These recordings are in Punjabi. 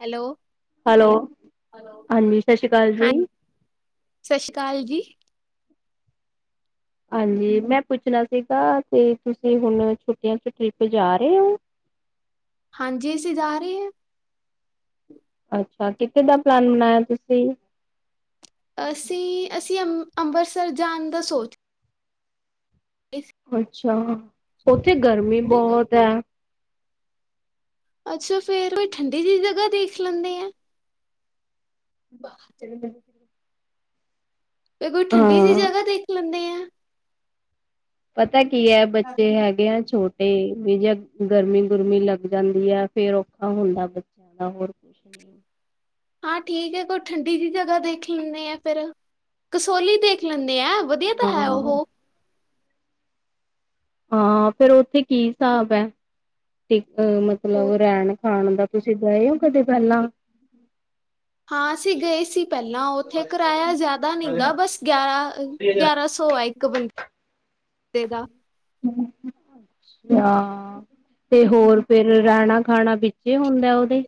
ਹੈਲੋ ਹੈਲੋ ਹਾਂਜੀ ਸਤਿ ਸ਼੍ਰੀ ਅਕਾਲ ਹਾਂ ਜੀ ਸਤਿ ਸ਼੍ਰੀ ਅਕਾਲ ਜੀ ਹਾਂਜੀ ਮੈਂ ਪੁੱਛਣਾ ਸੀਗਾ ਤੇ ਤੁਸੀਂ ਹੁਣ ਛੁੱਟੀਆਂ ਚ ਟ੍ਰਿਪ ਜਾ ਰਹੇ ਹੋ ਹਾਂਜੀ ਅਸੀਂ ਜਾ ਰਹੇ ਹਾਂ ਅੱਛਾ ਕਿੱਥੇ ਦਾ ਪਲਾਨ ਬਣਾਇਆ ਤੁਸੀਂ ਅਸੀਂ ਅਸੀਂ ਅੰ ਅੰਮ੍ਰਿਤਸਰ ਜਾਣ ਦਾ ਸੋਚ ਇਸ ਅੱਛਾ ਉੱਥੇ ਗਰਮੀ ਸੀ। ਬਹੁਤ ਹੈ ਅੱਛਾ ਫੇਰ ਕੋ ਠੰਡੀ ਦੀਿ ਜਗ੍ਹਾ ਦੇਖ ਲੈਂਦੇ ਆ ਹ ਫ ਕੋਈ ਠੰਢਡੀ ਜਿਹੀ ਹਾਂ, ਜਗ੍ਹਾ ਦੇਖ ਲੈਂਦੇ ਆ ਪਤਾ ਕੀ ਹੈ ਬੱਚੇ ਹੈਗੇ ਆ ਛੋਟੇ ਤੇ ਵੀ ਜੇ ਗਰਮੀ ਗੁਰਮੀ ਲੱਗ ਜਾਂਦੀ ਹੈ ਫੇਰ ਔਖਾ ਹੁੰਦਾ ਬੱਚਿਆਂ ਦਾ ਹੋਰ ਛ ਨ ਹਾਂ ਠੀਕ ਹੈ ਕੋਈ ਠੰਡੀ ਜਿ ਜਗ੍ਹਾ ਦੇਖ ਲੈਂਦੇ ਆ ਫਿਰ ਕਸੋਲੀ ਦੇਖ ਲੈਂਦੇ ਆ ਵਧੀਆ ਤਾਂ ਹੈ ਹਾਂ, ਉਹ ਹਾਂ ਫੇਿਰ ਉੱਥੇ ਕੀ ਹਿਸਾਬ ਹੈ ਤੇ ਅ ਉਹ ਮਤਲਬ ਰਹਿਣ ਖਾਣ ਦਾ ਤੁਸੀਂ ਗਏ ਹੋ ਕਦੇ ਪਹਿਲਾਂ ਹਾਂ ਅਸੀਂ ਗਏ ਸੀ ਪਹਿਲਾਂ ਉਹ ਉੱਥੇ ਕਿਰਾਇਆ ਜਿਆਦਾ ਨੀ ਗਾ ਬਸ ਗਿਆਰਾਂ ਗਿਆਰਾਂ ਸੌ ਹੈ ਇੱਕ ਬੰਦੇ ਦੇਦਾ ਅੱਛਾ ਤੇ ਹੋਰ ਫਿਰ ਰਹਿਣਾ ਖਾਣਾ ਵਿੱਚੇ ਹੁੰਦਾ ਉਹਦੇ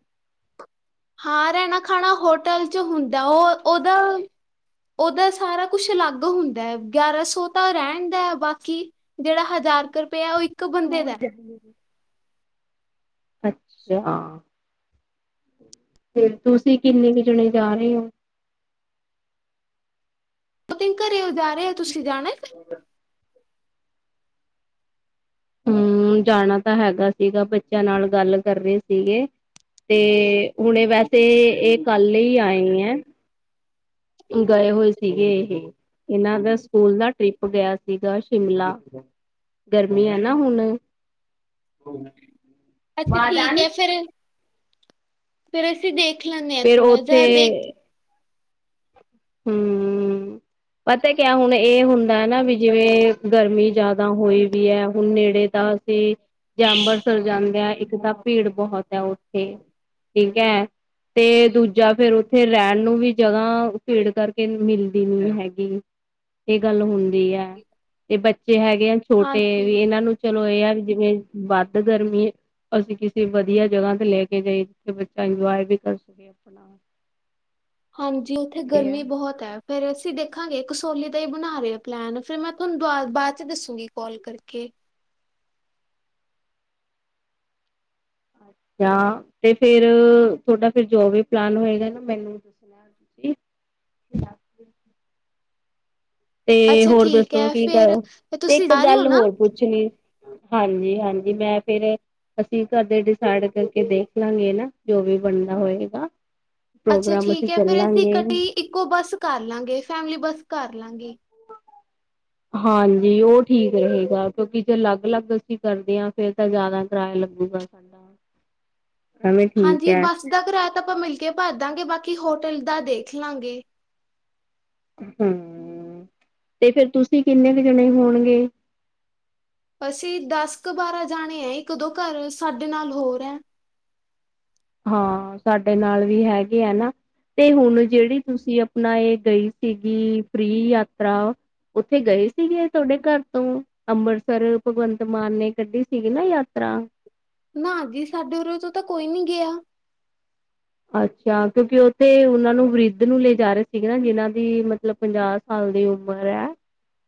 ਹਾਂ ਰਹਿਣਾ ਖਾਣਾ ਹੋਟਲ ਚ ਹੁੰਦਾ ਉਹ ਉਹਦਾ ਉਹਦਾ ਸਾਰਾ ਕੁਛ ਅਲੱਗ ਹੁੰਦਾ ਹੈ ਗਿਆਰਾਂ ਸੌ ਤਾਂ ਰਹਿਣ ਦਾ ਹੈ ਬਾਕੀ ਜਿਹੜਾ ਹਜ਼ਾਰ ਕੁ ਰੁਪਇਆ ਉਹ ਬੰਦੇ ਦਾ ਦੂਰ ਹੈ। ਗਈਏ ਅੱਛਾ ਤੇ ਤੁਸੀਂ ਕਿੰਨੇ ਕੁ ਜਾਣੇ ਜਾ ਰਹੇ ਹੋ ਬਕਿੰ ਘਰੇਓ ਜਾ ਰਹੇ ਹੋ ਤੁਸੀਂ ਜਾਣਾ ਹਮ ਜਾਣਾ ਤਾਂ ਹੈਗਾ ਸੀਗਾ ਬੱਚਿਆਂ ਨਾਲ ਗੱਲ ਕਰ ਰਹੇ ਸੀਗੇ ਤੇ ਹੁਣੇ ਵੈਸੇ ਇਹ ਕੱਲ ਆਏ ਹੈ ਗਏ ਹੋਏ ਸੀਗੇ ਇਹ ਇਹਨਾਂ ਦਾ ਸਕੂਲ ਦਾ ਟ੍ਰਿਪ ਗਿਆ ਸੀਗਾ ਸ਼ਿਮਲਾ ਗਰਮੀ ਆ ਨਾ ਹੁਣ ਅੱਛਾ ਠੀਕ ਹੈ ਫੇਿਰ ਫੇਰ ਅਸੀਂ ਦੇਖ ਲੈਂਦੇ ਹਾਂ ਫਿਰ ਥੋੜ੍ਹਾ ਜਿਹਾ ਦੇਖ ਉੱਥੇ ਹਮ, ਪਤਾ ਕਿਆ ਹੁਣ ਇਹ ਹੁਣ। ਦੇਨਾ ਵੀ ਜਿਵੇਂ, ਗਰਮੀ ਜਿਆਦਾ ਹੋਈ ਵੀ ਹੇ ਹੁਣ ਨੇੜੇ ਤਾਂ ਅਸੀਂ। ਜਾਂ ਅੰਬਰਸਰ ਜਾਂਦੇ ਆ ਇੱਕ ਤਾਂ ਭੀੜ ਬਹੁਤ ਹੈ ਉੱਥੇ, ਠੀਕ ਹੈ। ਤੇ, ਦੂਜਾ ਫਿਰ ਉਥੇ ਰਹਿਣ ਨੂੰ ਵੀ ਜਗਾ, ਭੀੜ ਕਰਕੇ ਮਿਲਦੀ ਨਹੀਂ ਹੈਗੀ। ਇਹ ਗੱਲ ਹੁੰਦੀ ਹਾ, ਤੇ ਬੱਚੇ ਹੈਗੇ ਆ ਛੋਟੇ ਹਾਂਜੀ ਵੀ ਇਹਨਾਂ ਨੂੰ। ਚਲੋ ਇਹ ਆ ਵੀ ਜਿਵੇਂ, ਵੱਧ ਗਰਮੀ। ਅਸੀਂ ਕਿਸੇ ਵਧੀਆ ਜਗ੍ਹਾ ਤੇ ਲੈ ਕੇ ਗਏ। [unintelligible] ਹਾਂਜੀ ਉੱਥੇ ਇਹ ਹੈ ਗਰਮੀ ਬਹੁਤ ਹੈ, ਫੇਰ ਅਸੀਂ ਦੇਖ। ਰਖਾਂਗੇ ਕਸੋਲੀ ਦਾ ਹੀ ਬਣਾ ਰਹੇ ਹਾ ਪਲੈਨ, ਫਿਰ ਮੈਂ ਤੁਹਾਨੂੰ ਦੁ ਬਾਅਦ ਚ ਦੱਸੂੰਗੀ ਕਾਲ ਕਰਕੇ। ਜਾਂ, ਤੇ ਫਿਰ- ਤੋਡਾ ਫੇਰ ਜੋ ਵੀ ਪਲੈਨ ਹੋਏਗਾ ਨਾ ਮੈਨੂੰ [unintelligible] ਤੇ, ਅੱਛਾ ਹੋਰ ਠੀਕ ਦੱਸੋ ਹੈ ਕੀ ਫਿਰ ਕਰ, ਤੇ ਤੁਸੀਂ ਏਕ ਜਾ ਰਹੇ ਹੋ ਗੱਲ ਨਾ ਹੋਰ ਪੁੱਛਣੀ। ਹਾਂਜੀ, ਹਾਂਜੀ ਮੈਂ ਫੇਰ ਅਸੀਂ ਘਰ ਦੇ ਡਿਸਾਈੜ ਕਰਕੇ ਦੇਖ ਲਾਂਗੇ ਨਾ, ਜੋ ਵੀ ਬਨਦਾ ਹੋਏਗਾ। ਅੱਛਾ ਪ੍ਰੋਗਰਾਮ, ਅਸੀਂ ਠੀਕ ਹੈ ਫਿਰ ਅਸੀਂ ਚੱਲਾਂਗੇ। ਇਕੱਠੇ ਹੀ ਇੱਕੋ ਬੱਸ ਕਾਰ ਲਾਂਗੇ, ਫੈਮਲੀ ਬੱਸ ਕਾਰ ਲਾਂਗੇ। ਹਾਂਜੀ, ਓ ਠੀਕ ਰਹੇਗਾ, ਕੇਓਕਿ ਜੇ ਅਲੱਗ-ਅਲੱਗ ਅਸੀਂ ਕਰਦੇ ਆਂ, ਫੇਰ ਤਾਂ ਜਾਦਾ ਕਿਰਾਏਆ ਲੱਗੂਗਾ। [inaudible] ਠੀਕ ਹਾਂਜੀ, ਹੈ ਬੱਸ ਦਾ ਕਰਾਏਆ ਤਾਂ ਆਪਾਂ ਮਿਲ ਕੇ ਭਰ ਦਾਂਗੇ, ਬਾਕੀ ਹੋਟਲ ਦਾ ਦੇਖ ਲਾਂਗੇ। ਹੂੰ, ਤੇ ਫੇਰ ਤੁਸੀ ਕਿੰਨੇ ਕ ਜਣੇ ਹੋਣਗੇ? ਅਸੀਂ, ਦਸ ਕ ਬਾਰਾਂ ਜਾਣੇ ਆਂ, ਇੱਕ ਦੋ ਘਰ ਸਾਡੇ ਨਾਲ ਹੋਰ ਐ। ਹਾਂ, ਸਾਡੇ ਨਾਲ਼ ਵੀ ਹੈਗੇ ਆ ਨਾ, ਤੇ ਹੁਨ ਜੇੜੀ ਤੁਸੀ ਨਈ ਗਈ ਸੀਗੀ ਫ੍ਰੀ ਯਾਤਰਾ, ਓਥੇ ਗਏ ਸੀਗੇ ਥੋਡੇ ਘਰ [unintelligible] ਅੰਬਰਸਰ, ਭਗਵੰਤ ਮਾਨ ਨੇ ਕੱਢੀ ਸੀਗੀ ਨਾ ਯਾਤਰਾ ਨਾ ਜੀ, ਸਾਡੇ ਉਰੋ ਤੋਂ ਤਾਂ ਕੋਈ ਨੀ ਗੇਆ। ਅੱਛਾ, ਕੇਓਕਿ ਓਥੇ ਉਨਾਂ ਨੂੰ ਵ੍ਰੀਦ ਨੂੰ ਲੈ ਜਾ ਰੇ ਸੀਗੇ ਨਾ, ਜਿਨਾਂ ਦੀ, ਮਤਲਬ ਪੰਜਾ ਸਾਲ ਦੀ ਉਮਰ ਐ,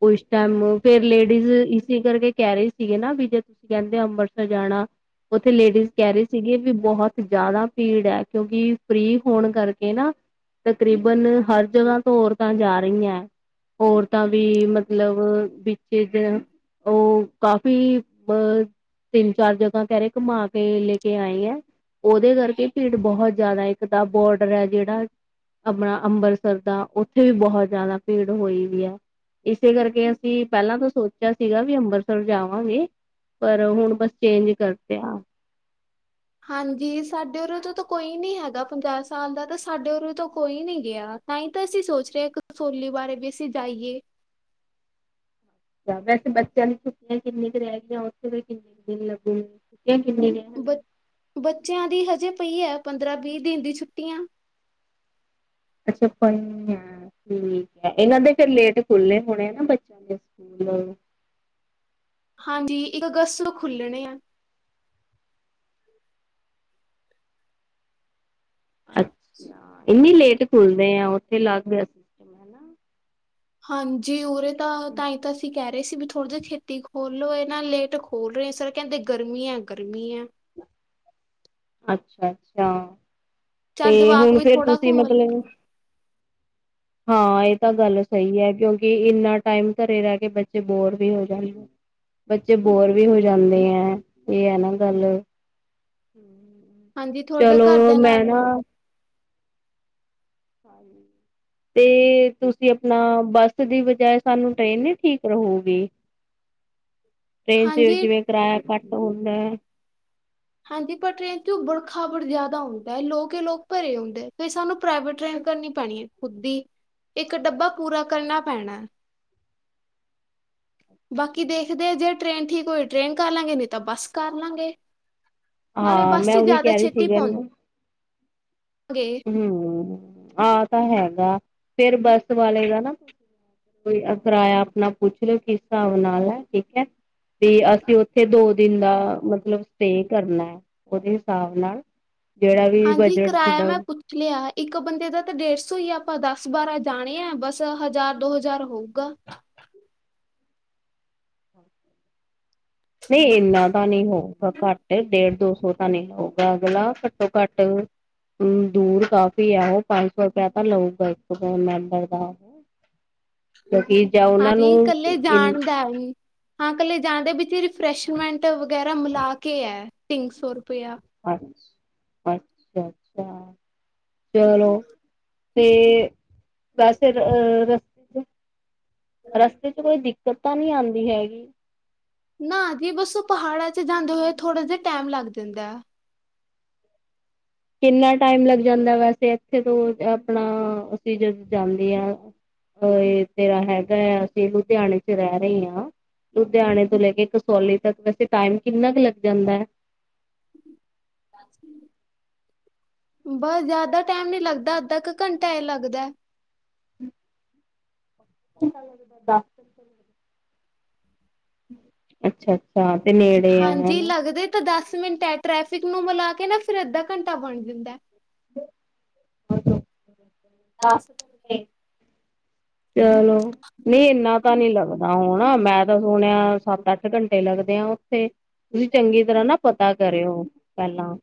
ਓਸ ਟੈਮ ਫੇਰ ਲੇੜੀਜ਼ ਕੀ ਕਰਕੇ ਕੈ ਰੈ ਸੀਗੇ ਨਾ, ਬੀ ਜੇ ਤੂਸੀ‌ ਕੈਂਦੇ ਅੰਬਰਸਰ ਜਾਣਾ। ਓਥੇ ਲੇੜੀਜ਼ ਕੈ ਰੈ ਸੀਗੇ, ਵੀ ਬੋਹਤ ਜਾ਼ਦਾ ਭੀੜ ਐ। ਕੇਓਂਕਿ, ਫ੍ਰੀ ਫੋਣ ਕਰਕੇ ਨਾ ਤਕਰੀਬਨ, ਹਰ ਜਗਾ ਤੋਂ ਓਰਤਾਂ ਜਾ ਰੀਐਂ। ਓਰਤਾਂ ਵੀ, ਮਤਲਬ ਬਿਚੱ ਜੇ ਓਰ ਕਾਫੀ ਅ ਤਿੰਨ ਚਾਰ ਜਗਾ ਕੈਰੇ ਘਮਾ ਕੇ ਲੇਕੇ ਆਏ ਆ, ਓਦੋ ਕਰਕੇ ਭੀ ਬੋਹਤ ਜਾਦਾ ਏਕ ਤਾ ਬੋਡਰ ਆ ਜੇੜਾ ਆਪਣਾ ਅੰਬਰਸਰ ਦਾ, ਓਥੇ ਵੀ ਬੋਹ ਜਾਦਾ ਭੀੜ ਹੋਈ ਵੀ ਐ। ਇਸੇ ਕਰਕੇ ਅਸੀਂ, ਪੈਲਾਂ ਤੋ ਸੋ ਚੇਆ ਸੀਗਾ ਵੀ ਅੰਬਰਸਰ ਜਾਵਾਂਗੇ, ਪਰ ਹੁਣ ਬਸ ਚੇਂਜ ਕਰਤੇ ਆ। ਹਾਂਜੀ, ਸਾਡੇ ਊਰੋ ਤੋ ਤਾਂ ਕੋਈ ਨੀ ਹੈਗਾ ਪੰਜਾ ਸਾਲ ਦਾ ਤਾਂ, ਸਾਡੇ ਊਰੋ ਤੋਂ ਕੋਈ ਨੀ ਗੇਆ। ਤਾਈ ਤਾਂ ਅਸੀਂ ਸੋਚ ਰੇ ਕ ਕਸੋਲੀ ਬਾਰੇ, ਵੀ ਅਸੀ ਜਾਈਏ। [unintelligible] ਬ, ਬੱਚੇਆਂ ਦੀ ਹਜੇ ਪਈ ਐ, ਪੰਦਰਾਂ ਬੀ ਦਿਨ ਦੀ ਛੁੱਟੀਆਂ। [unintelligible] ਠੀਕ ਐ, ਏਨਾ ਦੇ ਫੇਰ ਲੇਟ ਖੁਲਨੇ ਹੋਣੇ ਆ ਨਾ, ਬੱਚੇਆਂ ਦੇ ਸੁਕੂਲ। ਹਾਂਜੀ, ਇੱਕ ਅਗਸਤ ਨੂ ਖੁੱਲਣੇ ਆ। ਅੱਛਾ, ਏਨੀਂ ਲੇਟ ਖੁੱਲਦੇਂ ਆਂ ਉਥੇ ਲੱਗ ਰੇਆ ਹਾਂਜੀ, ਉਰੇ ਤਾਂ ਤਾਂਈ ਤਾਂ ਸੀ ਕੈ ਰੇ ਸੀ ਬੀ ਥੋੜ ਜੇ ਛੇਤੀ ਖੋਲ ਲੋ ਏ ਨਾ ਲੇਟ ਖੋਲ ਰਏ ਸਰ ਕੈਂਦੇ ਗਰਮੀ ਐ ਗਰਮੀ ਐ। ਅੱਛਾ, ਅੱਛਾ ਤੇ ਚੱਲ ਜਵਾਕ ਹੁਣ ਵੀ ਫੇਰ ਥੋੜਾ ਤੁਸੀ ਘੁੰਮ ਮਤਲਬ ਲੈਣ [inaudible] ਹਾਂ ਏ ਤਾਂ ਗੱਲ ਸਈ ਐ, ਕੇਓ ਕਿ ਇੰਨਾ ਟਾਈਮ ਘਰੇ ਰੈਹ ਕੇ ਬੱਚੇ ਬੋਰ ਵੀ ਹੋ ਜਾਂਦੇ ਆ। ਬੱਚੇ ਬੋਰ ਵੀ ਹੋ ਜਾਂਦੇ ਐਂ, ਏ ਆ ਨਾ ਗਾੱਲ। ਹਾਂਜੀ, ਥੋੜਾ ਜਿ ਚਲੋ ਘਰਦਿਆਂ ਮੈਂ ਨਾਲ ਨਾ ਵੀ। [unintelligible] ਤੁਸੀਂ ਅਪਨਾ, ਬੱਸ ਦੀ ਵਜਾਏ ਸਾਨੂੰ ਟ੍ਰੇਨ ਨੀ ਠੀਕ ਰਹੂਗੀ? ਟ੍ਰੇਨ ਚ ਹਾਂਜੀ ਜਿਵੇਂ ਕਰਾਯਾ ਘੱਟ ਹੋਂਦੈ। ਹਾਂਜੀ ਪਰ ਟ੍ਰੇਨ ਚ ਉਬੜ, ਖਾਬੜ ਜਾਦਾ ਹੁੰਦੈ, ਲੋਕ ਏ ਲੋਕ ਭਰੇ ਹੁੰਦੇ ਤੇ ਸਾਨੂੰ ਪ੍ਰਾਈਵੇਟ ਟ੍ਰੇਨ ਕਰਨੀ ਪੈਣੀ ਐ, ਖੁੱਦ ਦੀ, ਇੱਕ ਡੱਬਾ ਪੂਰਾ ਕਰਨਾ ਪੈਣਾ। ਬਾਕੀ ਦੇਖਦੇ ਜੇ ਟ੍ਰੇਨ ਠੀਕ ਹੋਈ ਟ੍ਰੇਨ ਕਾਰ ਲਾਂਗੇ, ਨਈ ਤਾਂ ਬਾਸ ਕਾਰ ਲਾਂਗੇ। ਨਾਲੇ਼, ਹਾਂ ਬਸ ਮੈਂ ਚ ਉਹੀ ਜਿਆਦਾ ਕਹਿ ਰਹੀ ਛੇਤੀ, [inaudible] ਸੀਗਾ ਪੋਨ, ਗੇ। ਹੂੰ, ਆਹ ਤਾਂ ਹੈਗਾ, ਫੇਰ ਬੱਸ ਵਾਲੇ ਦਾ ਨਾ ਕੋਈ ਅ ਕਿਰਾਇਆ ਅਪਣਾ ਪੁੱਛ ਲਿਓ ਕਿਸ ਹਿਸਾਬ ਨਾਲ ਐ, ਠੀਕ ਐ। ਵੀ, ਅਸੀਂ ਉੱਥੇ ਦੋ ਦਿਨ ਦਾ, ਮਤਲਬ ਸਟੇ ਕਰਨਾ, ਉਹਦੇ ਹਿਸਾਬ ਨਾਲ ਜਿਹੜਾ ਵੀ ਹਾਂਜੀ ਵਜਣ ਕਿਰਾਇਆ ਤੁਆਡਾ। ਮੈਂ ਪੁੱਛ ਲਿਆ ਇੱਕ ਬੰਦੇ ਦਾ ਤਾਂ ਡੇਢ ਸੌ ਈ ਆ, ਆਪਾਂ ਦਸ-ਬਾਰਾਂ ਜਾਣੇ ਆ ਬਸ ਹਜ਼ਾਰ-ਦੋ ਹਜ਼ਾਰ ਹੋਊਗਾ। ਨਈ ਇੰਨਾ ਤਾਂ ਨਹੀਂ ਹੋਊਗਾ ਘੱਟ ਡੇਢ-ਦੋ ਸੌ ਤਾਂ ਨਈ ਹੋਊਗਾ ਅਗਲਾ ਘੱਟੋ-ਘੱਟ ਹ ਦੂਰ ਕਾਫੀ ਆ ਉਹ ਪੰਜ ਸੌ ਰੁਪਇਆ ਤਾਂ ਲਊਗਾ ਇੱਕ ਮੈਂਬਰ ਦਾ। ਕਿਉਂਕਿ ਜਾਂ ਉਹਨਾਂ ਨੂੰ ਹਾਂਜੀ ਕੱਲੇ ਇਨ ਜਾਣ ਦਾ ਵੀ। ਹਾਂ, ਕੱਲੇ ਜਾਂਣਦੇ ਵਿੱਚ ਰਿਫਰੈਸ਼ਮੈਂਟ ਵਗੈਰਾ ਮਿਲਾ ਕੇ ਐ ਤਿੰਨ ਸੌ ਰੁਪਇਆ। ਅੱਛ, ਅੱਛ, ਅੱਛਾ। ਚਲੋ ਤੇ ਵੈਸੇ ਅ ਰਸਤੇ ਰਸਤੇ ਚ ਕੋਈ ਦਿੱਕਤ ਤਾਂ ਨੀ ਆਂਦੀ ਹੈਗੀ। ਨਾ ਜੀ ਬਸ ਉਹ ਪਹਾੜਾਂ ਚ ਜਾਂਦੇ ਹੋਏ ਥੋੜਾ ਜਿਆ ਟਾਈਮ ਲੱਗ ਜਾਂਦਾ ਐ। ਕਿੰਨਾ ਟਾਈਮ ਲੱਗ ਜਾਂਦਾ ਵੈਸੇ ਇੱਥੇ ਤੋਂ ਅਪਣਾ ਅਸੀਂ ਜਦੋਂ ਜਾਂਦੇ ਐ। ਅ ਇਹ ਤੇਰਾ ਹੈਗਾ ਐ ਅਸੀਂ ਲੁਧਿਆਣੇ ਚ ਰਹਿ ਰਏ ਆ। ਲੁਧਿਆਣੇ ਤੋਂ ਲੈ ਕੇ ਕਸੌਲੀ ਤੱਕ ਵੈਸੇ ਟਾਈਮ ਕਿੰਨਾ ਕ ਲੱਗ ਜਾਂਦਾ ਐ। ਬਸ ਜਿਆਦਾ ਟਾਈਮ ਨੀ ਲੱਗਦਾ ਅੱਧਾ ਕ ਘੰਟਾ ਈ ਲੱਗਦਾ। [unintelligible] ਲੱਗਦਾਦਾ [unintelligible] ਅੱਛਾ-ਅੱਛਾ ਤੇ ਨੇੜ ਹਾਂਜੀ, ਲੱਗਦੇ ਤਾਂ ਦਸ ਮਿੰਟ ਐ, ਟ੍ਰੈਫਿਕ ਨੂੰ ਮਿਲਾ ਕੇ ਨਾ ਫਿਰ ਅੱਧਾ ਘੰਟਾ ਬਣ ਜਾਂਦਾ। [unintelligible] ਚਲੋ ਨਈ ਇਨਾ ਤਾਂ ਨੀ ਲੱਗਦਾ ਹੁਣਾ ਮੈਂ ਤਾਂ ਸੁਣਿਆ ਸੱਤ-ਅੱਠ ਘੰਟੇ ਲੱਗਦੇ ਆ ਉੱਥੇ। ਤੁਸੀਂ ਚੰਗੀ ਤਰਾਂ ਨਾ ਪਤਾ ਕਰਿਓ ਪਹਿਲਾਂ।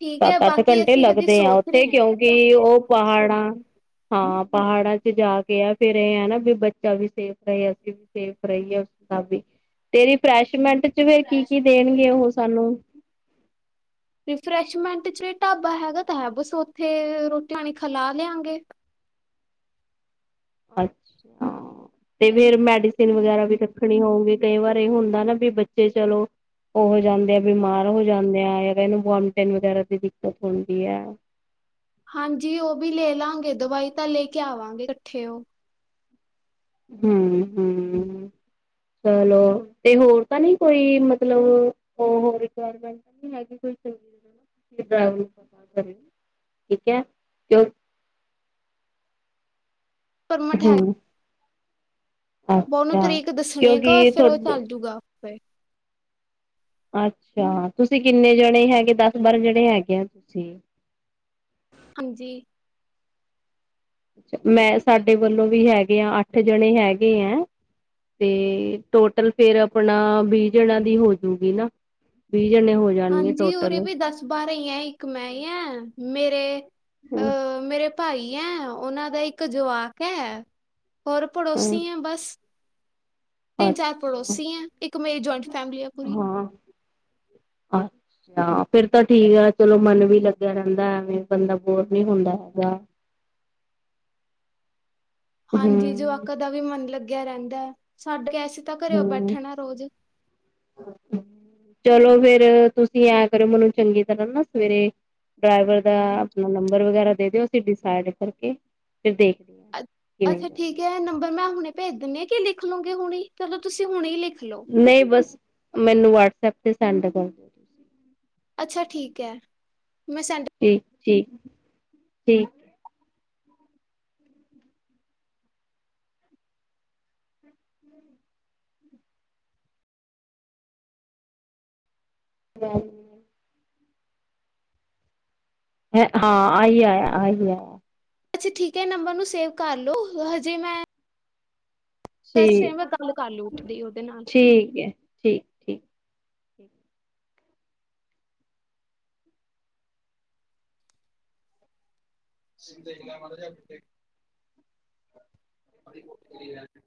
ਠੀਕ ਹੈ ਸੱਤ-ਅੱਠ ਬਾਕੀ ਘੰਟੇ ਅਸੀਂ ਹਜੇ ਲੱਗਦੇ ਆ ਸੋਚ ਉੱਥੇ ਰਹੇ ਕਿਉਂ ਕਿ ਉਹ ਪਹਾੜਾਂ ਹਾਂ ਪਹਾੜਾਂ ਚ ਜਾ ਕੇ ਆ ਫੇਰ ਇਹ ਐ ਨਾ ਵੀ ਬੱਚਾ ਵੀ ਸੇਫ ਰਏ, ਅਸੀਂ ਵੀ ਸੇਫ ਰਈਏ, ਉਸ ਹਿਸਾਬ ਵੀ ਤੇ ਰਿਫਰੈਸ਼ਮੈਂਟ ਚ ਫਿਰ ਹਾਂ ਕੀ-ਕੀ ਦੇਣਗੇ ਉਹ ਸਾਨੂੰ। ਰਿਫਰੈਸ਼ਮੈਂਟ ਚ ਢਾਬਾ ਹੈਗਾ ਤਾਂ ਹੈ ਬਸ ਉੱਥੇ ਰੋਟੀ-ਪਾਣੀ ਖਿਲਾ ਲਿਆਂਗੇ। ਅੱਛਾ, ਤੇ ਫਿਰ ਮੈਡੀਸਿਨ ਵਗੈਰਾ ਵੀ ਰੱਖਣੀ ਹੋਊਗੀ ਕਈ ਵਾਰ ਇਹ ਹੁੰਦਾ ਨਾ ਵੀ ਬੱਚੇ ਚਲੋ ਉਹ ਹੋ ਜਾਂਦੇ ਆ, ਬਿਮਾਰ ਹੋ ਜਾਂਦੇ ਆ ਜਾਂ ਇਹਨੂੰ ਵੋਮਟੇਨੀਂਗ ਵਗੈਰਾ ਦੀ ਦਿੱਕਤ ਹੁੰਦੀ ਐ। ਹਾਂਜੀ ਉਹ ਵੀ ਲੈ ਲਾਂਗੇ, ਦਵਾਈ ਤਾਂ ਲੈ ਕੇ ਆਵਾਂਗੇ ਕੱਠੇ ਉਹ। ਹੂੰ ਹੂੰ। ਚਲੋ ਤੇ ਹੋਰ ਤਾਂ ਨੀ ਕੋਈ ਮਤਲਬ ਉਹ ਰਿਕਵਾਰਮੈਂਟ। ਹੈ ਕੋਈ ਚੰ ਤੁਸੀ ਡਵ ਕਰਹੇ ਠੀਕ ਹੈ ਤੇ [unintelligible] ਪਰਮਠ ਹੈ। ਹਮ ਬ ਉਹਨੂੰ ਅੱਛਾ ਤਰੀਕ ਦੱਸਣੀ ਐਗਾ ਕਿਉਂਕਿ ਫੇਰ ਉਹ ਤੁਹਾਡੇ ਚੱਲ ਜੂਗਾ। ਆਪੇ ਅੱਛਾ, ਤੁਸੀਂ ਕਿੰਨੇ ਜਣੇ ਹੈਗੇ, ਦੱਸ-ਬਾਰਾਂ ਜਣੇ ਹੈਗੇ ਆ ਤੁਸੀਂ। ਹਾਂਜੀ। ਮੈਂ ਸਾਡੇ ਵੱਲੋਂ ਵੀ ਹੈਗੇ ਆ। ਅੱਠ ਜਣੇ ਹੈਗੇ ਐ। ਤੇ ਟੋਟਲ ਫੇਰ ਆਪਣਾ ਵੀਹ ਜਣਾ ਦੀ ਹੋਜੂਗੀ ਨਾ। ਵੀਹ ਜਣੇ ਹੋ ਜਾਣਗੇ ਟੋਟਲ। ਬਾਰੇ ਇਆ ਇੱਕ ਮੈਂ ਆ ਮੇਰੇ ਅਹ ਮੇਰੇ ਭਾਈ ਐ, ਉਹਨਾਂ ਦਾ ਇੱਕ ਜਵਾਕ ਐ ਹੋਰ ਪੜੋਸੀ ਐ, ਬਸ ਤਿੰਨ-ਚਾਰ ਅੱਛਾ ਪੜੋਸੀ ਐ, ਇੱਕ ਮੇਰੀ ਜੋਇੰਟ ਹਾਂ, ਅਛ ਨਾ, ਫੇਰ ਤਾਂ ਠੀਕ ਆ ਚਲੋ ਮਨ ਵੀ ਲੱਗਿਆ ਰਹਿੰਦਾ ਐਵੇ ਬੰਦਾ ਬੋਰ ਨੀ ਹੁੰਦਾ ਹੈਗਾ। [inaudible] ਹੂੰ ਹਾਂਜੀ ਜਵਾਕਾ ਦਾ ਵੀ ਮਨ ਲੱਗਿਆ ਰਹਿੰਦਾ, ਸਾਡੇ ਕੈਸੇ ਤਾਂ ਘਰੇਓ ਬੈਠਣਾ ਰੋਜ਼ ਅੱਛਾ, ਚਲੋ ਫੇਰ ਤੁਸੀਂ ਐ ਕਰਯੋ ਮੈਨੂੰ ਚੰਗੀ ਤਰ੍ਹਾਂ ਨਾ ਸਵੇਰੇ ਡਰਾਈਵਰ ਦਾ ਆਪਣਾ ਨੰਬਰ-ਵਗੈਰਾ ਦੇ ਦਿਓ। ਅਸੀਂ ਡਿਸਾਈਡ ਕਰਕੇ ਫਿਰ ਦੇਖ ਅੱਛਾ ਠੀਕ। ਕੇ ਨੰਬਰ ਮੈਂ ਹੁਣੇ ਭੇਜ ਦਿੰਦੀਆ। ਕਿ ਲਿਖ ਲਓਗੇ ਹੁਣੇ, ਚਲੋ ਤੁਸੀਂ ਹੁਣੇ ਹੀ ਲਿਖ ਲਓ। ਨਹੀਂ ਬਸ। ਮੈਨੂੰ ਵਟਸਐਪ ਤੇ ਸੈਂਡ ਕਰ ਦੋ। ਅੱਛਾ ਠੀਕ ਐ। ਮੈਂ ਸੈਂਡ ਠੀਕ ਠੀਕ ਠੀਕ। [unintelligible] ਹੈ ਹਾਂ। ਆਈਆ- ਆਇਆ ਅੱਛਾ ਠੀਕ ਹੈ। ਨੰਬਰ ਨੂੰ ਸੇਵ ਕਰਲ ਲੋ ਹਜੇ ਮੈਂ ਕੱਲ ਸਵੇਰੇ, ਠੀਕ ਮੈਂ ਗੱਲ ਕਰ ਲੂ ਉੱਠਦੀ ਉਹਦੇ ਨਾਲ। ਠੀਕ ਐ। [unintelligible]